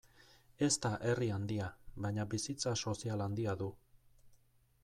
Ez da herri handia, baina bizitza sozial handia du.